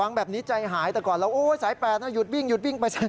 ฟังแบบนี้ใจหายแต่ก่อนเราโธ่สาย๘หรอหยุดวิ่งไป